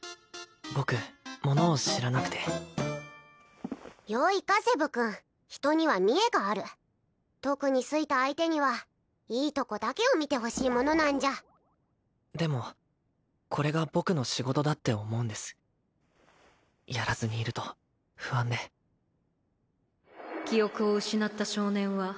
僕ものを知らなくてよいかセブ君人には見栄がある特に好いた相手にはいいとこだけを見てほしいものなんじゃでもこれが僕の仕事だって思うんですやらずにいると不安で記憶を失った少年は